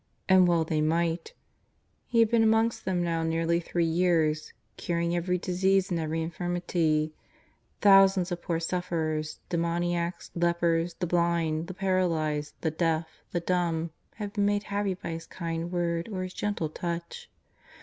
And well they might. He had been amongst them now nearly three years, ^^curing every disease and every infirmity." Thousands of poor sufferers — demoniacs, lepers, the blind, the paralyzed, the deaf, the dumb, had been made happy by His kind word or His gentle touch.